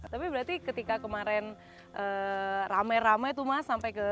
tapi berarti ketika kemarin rame rame tuh mas sampai ke